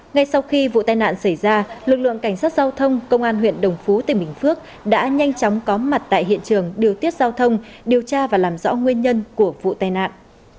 ngay sau khi vụ tai nạn xảy ra lực lượng cảnh sát giao thông công an huyện đồng phú tỉnh bình phước đã nhanh chóng có mặt tại hiện trường điều tiết giao thông điều tra và làm rõ nguyên nhân của vụ tai nạn